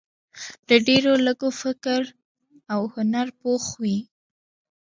د ډېرو لږو فکر او هنر پوخ وي.